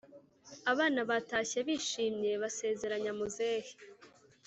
abana batashye bishimye basezeranya muzehe